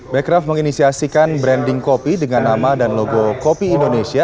bekraf menginisiasikan branding kopi dengan nama dan logo kopi indonesia